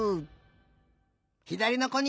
ひだりのこに！